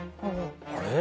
あれ？